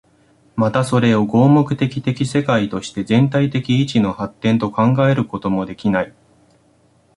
またそれを合目的的世界として全体的一の発展と考えることもできない。